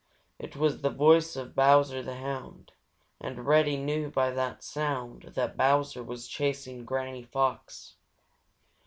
It was the voice of Bowser the Hound, and Reddy knew by the sound that Bowser was chasing Granny Fox.